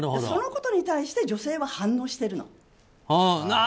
そのことに対して女性は反応しているの。